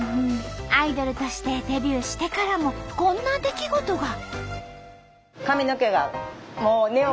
アイドルとしてデビューしてからもこんな出来事が。